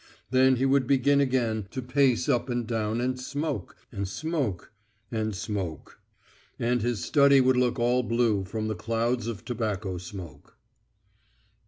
Then he would begin again to pace up and down and smoke ... and smoke ... and smoke. And his study would look all blue from the clouds of tobacco smoke.